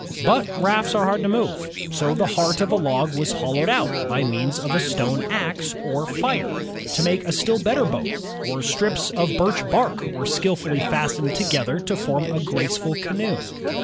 But rafts are hard to move, so the heart of a log was hol lowed out by means of a stone ax or fire, to make a still better boat, or strips of birch bark were skillfully fastened together to form a graceful canoe.